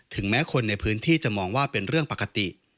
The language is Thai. แม้คนในพื้นที่จะมองว่าเป็นเรื่องปกติ